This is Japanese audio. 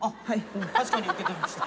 確かに受け取りました。